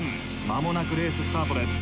まもなくレーススタートです。